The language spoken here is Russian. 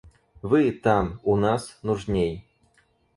Вы — там, у нас, нужней!